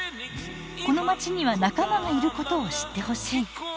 このまちには仲間がいることを知ってほしい。